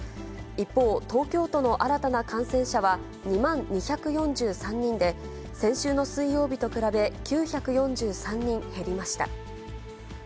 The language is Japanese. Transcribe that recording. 一方、東京都の新たな感染者は２万２４３人で、先週の水曜日と比べ９４３人減りました。